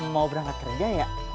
mau berangkat kerja ya